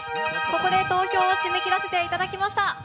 ここで投票を締め切らせていただきました。